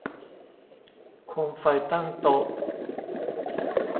โคมไฟตั้งโต๊ะ